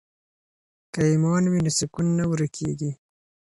که ایمان وي نو سکون نه ورکیږي.